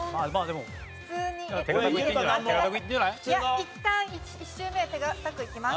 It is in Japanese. いったん１周目は手堅くいきます。